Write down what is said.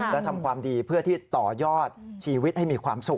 และทำความดีเพื่อที่ต่อยอดชีวิตให้มีความสุข